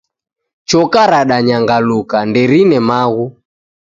Choka radanyangaluka, nderine maghu.